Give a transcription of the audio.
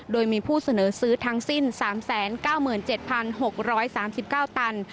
โดยมีผู้เสนอซื้อทั้งสิ้น๓๙๗๖๓๙ตัน